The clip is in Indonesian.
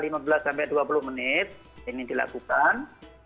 nah lima belas dua puluh menit ini dilakukan